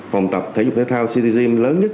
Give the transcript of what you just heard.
phòng tập thể dục thể thao city gym lớn nhất